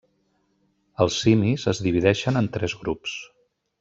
Els simis es divideixen en tres grups.